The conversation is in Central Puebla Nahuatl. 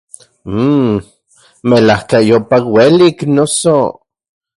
Mmmm, ¡melajkayopa uelik, noso!